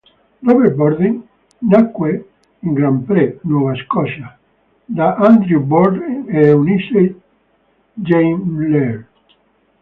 Robert Borden nacque in Grand-Pré, Nuova Scozia da Andrew Borden e Eunice Jane Laird.